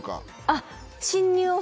あっ。